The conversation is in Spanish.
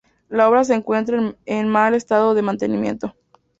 La obra se encuentra en mal estado de mantenimiento.